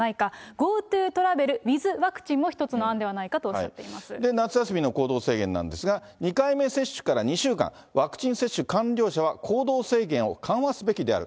ＧｏＴｏトラベルウィズワクチンも一つの案ではないかとおっしゃって夏休みの行動制限なんですが、２回目接種から２週間、ワクチン接種完了者は行動制限を緩和すべきである。